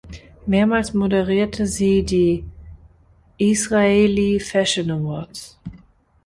Mehrmals moderierte sie die Israeli Fashion Awards.